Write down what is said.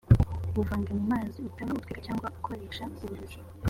wuvange mu mazi utaba utwika cyangwa ukoresha uburozi